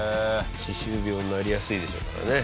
歯周病になりやすいでしょうからね。